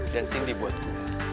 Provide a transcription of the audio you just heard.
dan cindy buat gue